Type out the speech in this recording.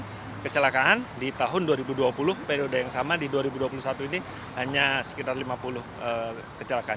dan kecelakaan di tahun dua ribu dua puluh periode yang sama di dua ribu dua puluh satu ini hanya sekitar lima puluh kecelakaan